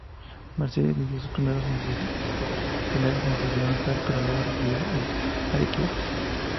Mercedes vivió sus primeros en su ciudad natal pero luego residió en Arequipa.